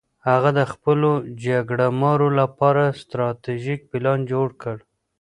هغه د خپلو جګړه مارو لپاره ستراتیژیک پلان جوړ کړ.